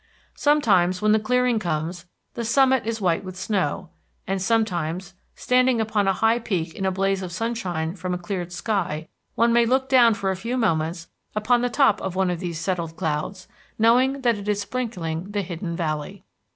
Sometimes, when the clearing comes, the summit is white with snow. And sometimes, standing upon a high peak in a blaze of sunshine from a cleared sky, one may look down for a few moments upon the top of one of these settled clouds, knowing that it is sprinkling the hidden valley.